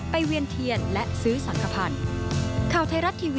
เวียนเทียนและซื้อสังขพันธ์